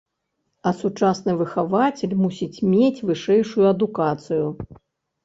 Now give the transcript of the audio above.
А сучасны выхавацель мусіць мець вышэйшую адукацыю.